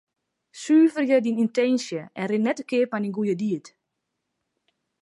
Suverje dyn yntinsje en rin net te keap mei dyn goede died.